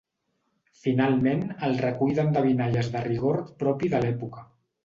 Finalment, el recull d'endevinalles de rigor propi de l'època.